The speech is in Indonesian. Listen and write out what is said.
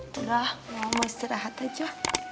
sudah mama istirahat aja